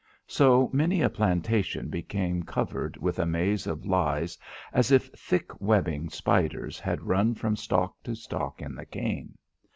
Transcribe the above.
So many a plantation became covered with a maze of lies as if thick webbing spiders had run from stalk to stalk in the cane.